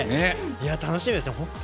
楽しみですね。